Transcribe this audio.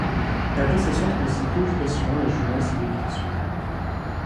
Elle place au centre de ses préoccupations la jeunesse et l'éducation.